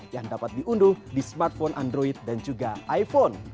yang dapat diunduh di smartphone android dan juga iphone